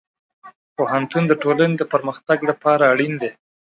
پوهنتون د ټولنې د پرمختګ لپاره اړین دی.